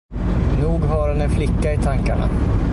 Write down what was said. Nog har han en flicka i tankarna.